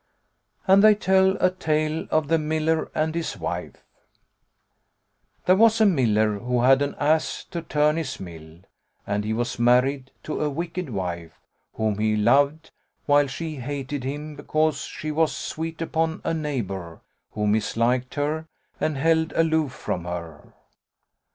And they tell a tale of THE MILLER AND HIS WIFE There was a miller, who had an ass to turn his mill; and he was married to a wicked wife, whom he loved, while she hated him because she was sweet upon a neighbour, who misliked her and held aloof from her.